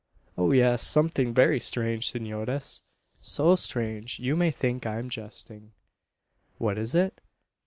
"Oh, yes; something very strange, senores; so strange, you may think I am jesting." "What is it?"